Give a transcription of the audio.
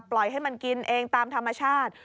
ปล่อยให้มันกินเองตามธรรมชาติ